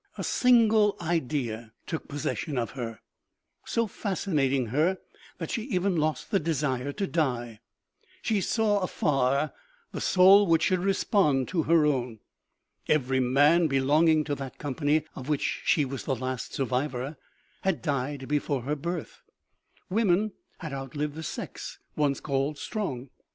A single idea took possession of her, so fascinating her that she even lost the desire to die. She saw afar the soul which should respond to her own. Every man be longing to that company of which she was the last survivor had died before her birth. Woman had out lived the sex once called strong.